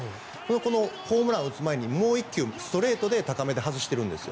でも、このホームランを打つ前にもう１球、ストレートで高めで外してるんです。